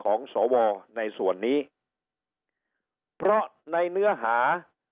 สวในส่วนนี้เพราะในเนื้อหา